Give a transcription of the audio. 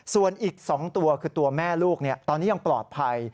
ส่วนอีก๒ตัวคือตัวแม่ลูกตอนนี้ยังปลอดภัย